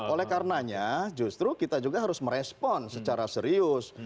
oleh karenanya justru kita juga harus merespon secara serius